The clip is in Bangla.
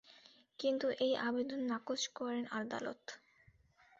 কিন্তু এই আবেদন নাকচ করেন আদালত।